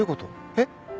えっ？